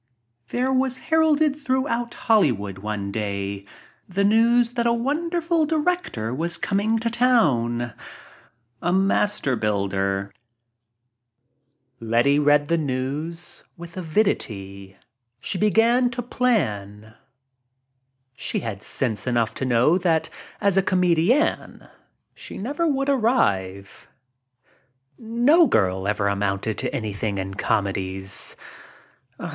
There was heralded throughout Hollywood one day the news that a wonderful director was coming to town — a master builder. Letty read the news with avidity. She began to plan. She had sense enough to know that as a comedienne she never would arrive. No girl ever amounted to anything in comedies.